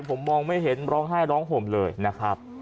ผมมองไม่เห็นร้องไห้ร้องห่มเลยนะครับ